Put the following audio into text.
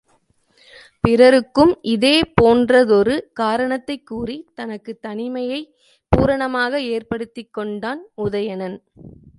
பிறருக்கும் இதே போன்றதொரு காரணத்தைக் கூறித் தனக்குத் தனிமையைப் பூரணமாக ஏற்படுத்திக் கொண்டான் உதயணன்.